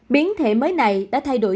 biến thể mới này đã thay đổi